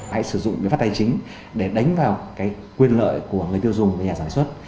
hãy sử dụng biện pháp tài chính để đánh vào cái quyền lợi của người tiêu dùng nhà sản xuất